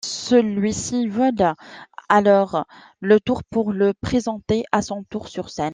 Celui-ci vole alors le tours pour le présenter à son tour sur scène.